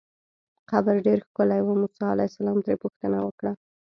قبر ډېر ښکلی و، موسی علیه السلام ترې پوښتنه وکړه.